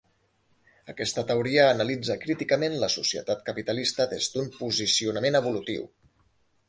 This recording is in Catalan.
Aquesta teoria analitza críticament la societat capitalista des d’un posicionament evolutiu.